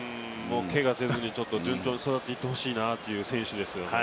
けがせずに、順調に育っていってほしいなという選手ですね